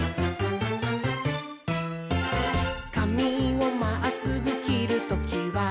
「かみをまっすぐきるときは」